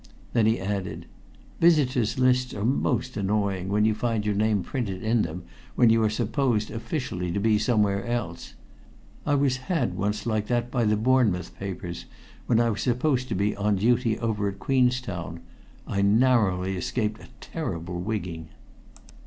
Then he added: "Visitors' lists are most annoying when you find your name printed in them when you are supposed officially to be somewhere else. I was had once like that by the Bournemouth papers, when I was supposed to be on duty over at Queenstown. I narrowly escaped a terrible wigging."